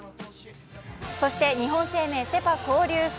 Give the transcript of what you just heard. そして日本生命セ・パ交流戦。